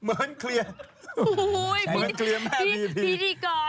เหมือนเคลียร์แม่มีดีหยกเลิกใส่ใจแอมผอนหุ้นร้านคืนเหมือนเมียใกล้เลยเหมือนเคลียร์